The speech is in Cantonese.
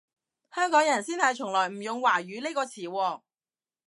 香港人先係從來唔用華語呢個詞喎